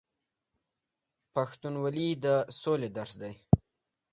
پښتونولي د سولې درس دی.